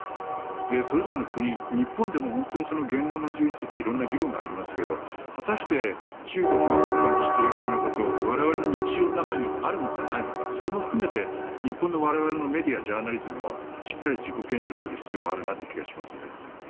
それぞれの国、日本でも本当に言論の自由について色んな議論がありますけど果たして、中国が香港にしているようなこと我々の日常にあるのかどうかそれも含めて日本の我々のメディアジャーナリズムもしっかり自己検証する必要があるなと思いますね。